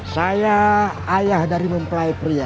saya ayah dari mempelai pria